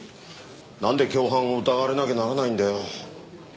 なんで共犯を疑われなきゃならないんだよ。